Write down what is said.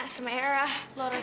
aku aku mau pergi sama sama rek